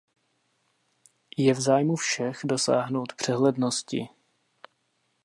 Je v zájmu všech, dosáhnout přehlednosti.